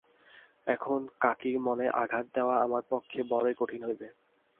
এখন কাকীর মনে আঘাত দেওয়া আমার পক্ষে বড়োই কঠিন হইবে।